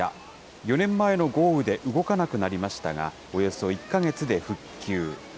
４年前の豪雨で動かなくなりましたが、およそ１か月で復旧。